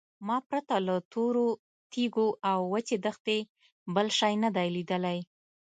ما پرته له تورو تیږو او وچې دښتې بل شی نه دی لیدلی.